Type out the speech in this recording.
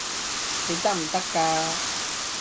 你得唔得㗎？